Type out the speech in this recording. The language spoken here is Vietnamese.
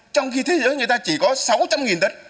trong khi thế giới người ta chỉ có sáu trăm linh tấn